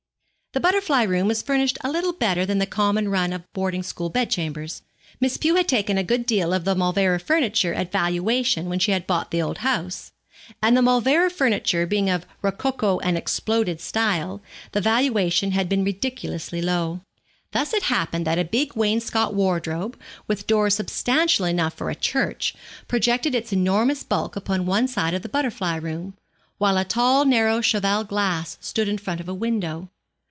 The butterfly room was furnished a little better than the common run of boarding school bedchambers. Miss Pew had taken a good deal of the Mauleverer furniture at a valuation when she bought the old house; and the Mauleverer furniture being of a rococo and exploded style, the valuation had been ridiculously low. Thus it happened that a big wainscot wardrobe, with doors substantial enough for a church, projected its enormous bulk upon one side of the butterfly room, while a tall narrow cheval glass stood in front of a window.